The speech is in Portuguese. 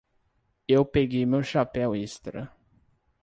Eu peguei meu chapéu extra.